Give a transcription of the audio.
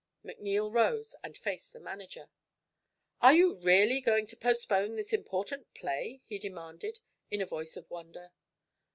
McNeil rose and faced the manager. "Are you really going to postpone this important play?" he demanded, in a voice of wonder.